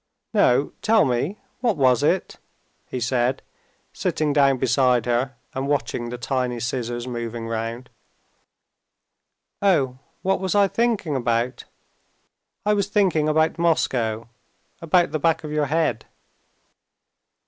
"No; tell me, what was it?" he said, sitting down beside her and watching the tiny scissors moving round. "Oh! what was I thinking about? I was thinking about Moscow, about the back of your head."